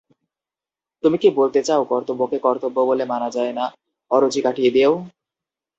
তুমি কি বলতে চাও কর্তব্যকে কর্তব্য বলে মানা যায় না অরুচি কাটিয়ে দিয়েও?